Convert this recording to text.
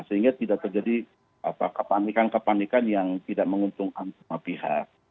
sehingga tidak terjadi kepanikan kepanikan yang tidak menguntungkan semua pihak